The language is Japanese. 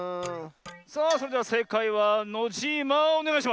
さあそれではせいかいはノジーマおねがいします！